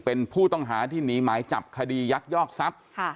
เป็นผู้ต้องหาที่หนีหมายจับคดียักยอกทรัพย์